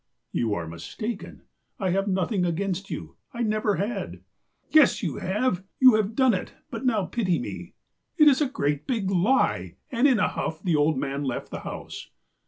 '''You are mistaken. I have nothing against you. I never had.' "' Yes, you have. You have done it, but now pity me.' "' It is a great big lie !' and, in a huff, the old man left the house."